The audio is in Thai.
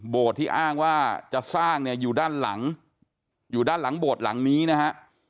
ที่อ้างว่าจะสร้างเนี่ยอยู่ด้านหลังอยู่ด้านหลังโบสถ์หลังนี้นะฮะ